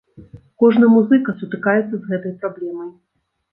Кожны музыка сутыкаецца з гэтай праблемай.